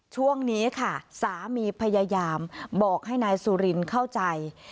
ช่วงนี้ค่ะสามีพยายามบอกให้นายสุรินเข้าใจ